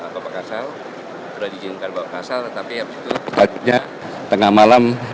bapak kasal sudah diizinkan bapak kasal tapi habis itu setelah itu tengah malam